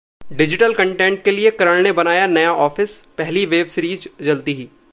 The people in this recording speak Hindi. डिजिटल कंटेंट के लिए करण ने बनाया नया ऑफिस, पहली वेब सीरीज जल्द